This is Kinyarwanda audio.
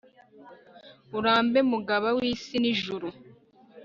urambe mugaba w'isi n'ijuru